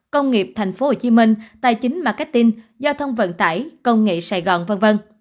công nghiệp thành phố hồ chí minh tài chính marketing giao thông vận tải công nghệ sài gòn v v